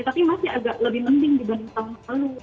tapi masih agak lebih mending dibanding tahun lalu